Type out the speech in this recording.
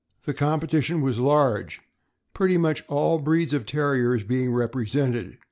The competition was large, pretty much all breeds of Terriers being repre sented.